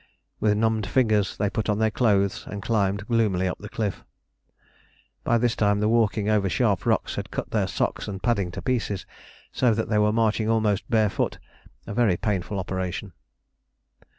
With numbed fingers they put on their clothes and climbed gloomily up the cliff. By this time the walking over sharp rocks had cut their socks and padding to pieces, so that they were marching almost barefoot, a very painful operation.